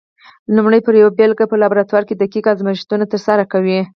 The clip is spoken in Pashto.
لومړی پر یوه بېلګه په لابراتوار کې دقیق ازمېښتونه ترسره کوي؟